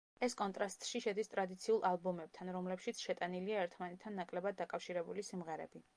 ეს კონტრასტში შედის ტრადიციულ ალბომებთან, რომლებშიც შეტანილია ერთმანეთთან ნაკლებად დაკავშირებული სიმღერები.